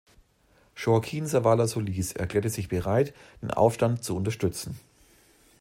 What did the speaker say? Joaquín Zavala Solís erklärte sich bereit den Aufstand zu unterstützen.